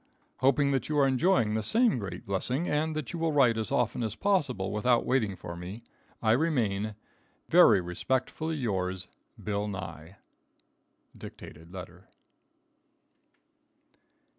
Hoping that you are enjoying the same great blessing and that you will write as often as possible without waiting for me, I remain, Very respectfully yours, Bill Nye. [Dictated Letter.